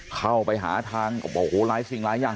เข้าไปหาทางโอ้โหหลายสิ่งหลายอย่าง